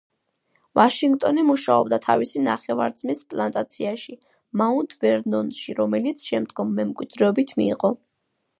ვაშინგტონი მუშაობდა თავისი ნახევარძმის პლანტაციაში, მაუნთ ვერნონში, რომელიც შემდგომ მემკვიდრეობით მიიღო.